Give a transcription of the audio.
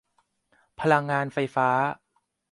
พลังงานไฟฟ้า